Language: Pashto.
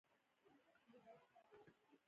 ایا ستاسو فکر ارام دی؟